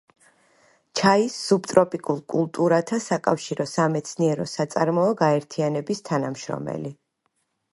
ჩაის სუბტროპიკულ კულტურათა საკავშირო სამეცნიერო-საწარმოო გაერთიანების თანამშრომელი.